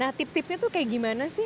nah tips tipsnya tuh kayak gimana sih